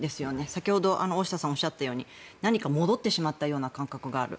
先ほど大下さんがおっしゃったように何か戻ってしまったような感覚がある。